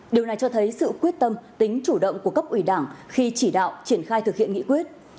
điều này cho thấy sự quyết tâm tính chủ động của cấp ủy đảng khi chỉ đạo triển khai thực hiện nghị quyết